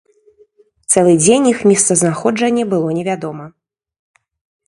Цэлы дзень іх месцазнаходжанне было невядома.